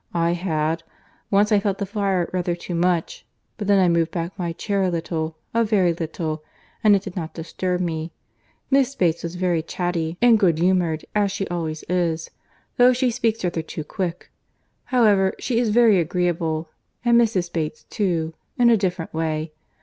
"I had. Once, I felt the fire rather too much; but then I moved back my chair a little, a very little, and it did not disturb me. Miss Bates was very chatty and good humoured, as she always is, though she speaks rather too quick. However, she is very agreeable, and Mrs. Bates too, in a different way.